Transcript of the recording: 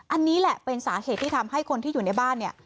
อันนี้แหละเป็นสาเหตุที่ทำให้คนที่อยู่ในบ้านเนี่ย